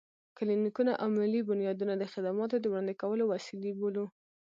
کلينيکونه او ملي بنيادونه د خدماتو د وړاندې کولو وسيلې بولو.